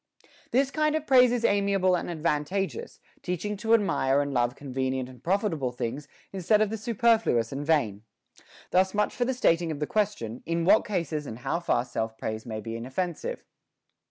This kind of praise is amiable and advantageous, teach ing to admire and love convenient and profitable things instead of the superfluous and vain. Thus much for the stating of the question, in what cases and how far self praise may be inoffensive.